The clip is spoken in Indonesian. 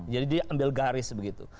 jadi dia ambil garis begitu